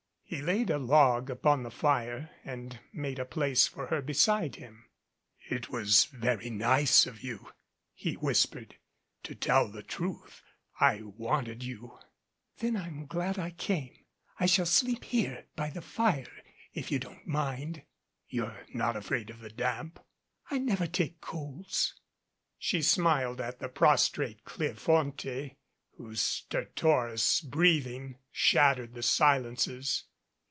He laid a log upon the fire, and made a place for her beside him. "It was very nice of you," he whispered. "To tell the truth, I wanted you." "Then I'm glad I came. I shall sleep here, by the fire, if you don't mind." "You're not afraid of the damp?" "I never take colds." She smiled at the prostrate Cleofonte, whose stertor ous breathing shattered the silences.